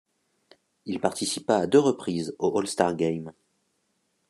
Il participa à deux reprises au All-Star Game.